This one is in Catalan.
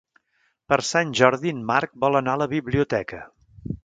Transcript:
Per Sant Jordi en Marc vol anar a la biblioteca.